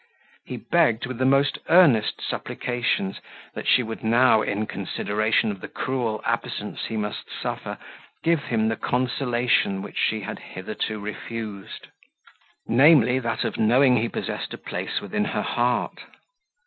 He begged, with the most earnest supplications, that she would now, in consideration of the cruel absence he must suffer, give him the consolation which she had hitherto refused; namely, that of knowing he possessed a place within her heart.